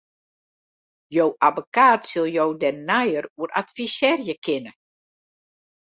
Jo abbekaat sil jo dêr neier oer advisearje kinne.